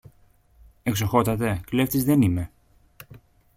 Εξοχότατε, κλέφτης δεν είμαι.